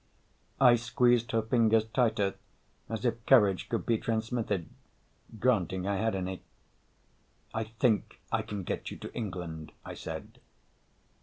I squeezed her fingers tighter, as if courage could be transmitted granting I had any. "I think I can get you to England," I said.